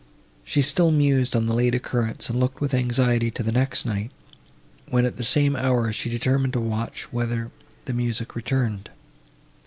She still mused on the late occurrence, and looked with anxiety to the next night, when, at the same hour, she determined to watch whether the music returned.